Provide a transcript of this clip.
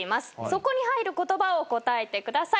そこに入る言葉を答えてください。